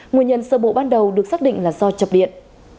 nguyên nhân sơ bộ ban đầu được xác định là do chập điện